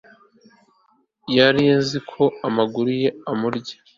yarize kuko amaguru ye amurya